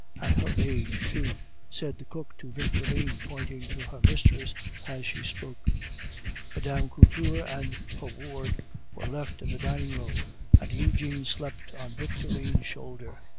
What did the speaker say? "At her age, too!" said the cook to Victorine, pointing to her mistress as she spoke. Mme. Couture and her ward were left in the dining room, and Eugene slept on Victorine's shoulder.